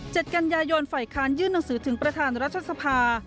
เจ็ดกัญญายนฝ่ายคารยื่นหนังสือถึงประธานราชสภา